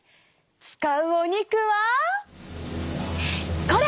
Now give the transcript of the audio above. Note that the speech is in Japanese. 使うお肉はこれ！